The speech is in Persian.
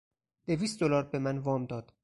دویست دلار بهمن وام داد.